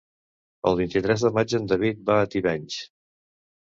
El vint-i-tres de maig en David va a Tivenys.